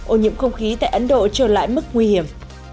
ô nhiễm không khí tại ấn độ trở lại mức nguy hiểm